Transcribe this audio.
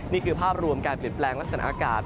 นี่คือภาพรวมการเปลี่ยนแปลงลักษณะอากาศ